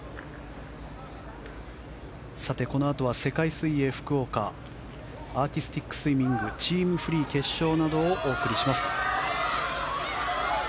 このあとは世界水泳福岡アーティスティックスイミングチーム・フリー決勝などをお送りします。